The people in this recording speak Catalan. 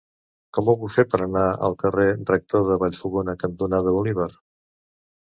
Com ho puc fer per anar al carrer Rector de Vallfogona cantonada Bolívar?